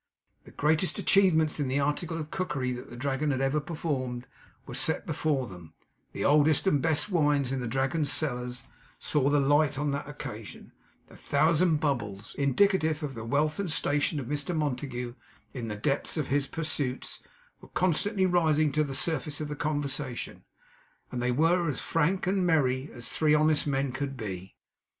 The greatest achievements in the article of cookery that the Dragon had ever performed, were set before them; the oldest and best wines in the Dragon's cellar saw the light on that occasion; a thousand bubbles, indicative of the wealth and station of Mr Montague in the depths of his pursuits, were constantly rising to the surface of the conversation; and they were as frank and merry as three honest men could be.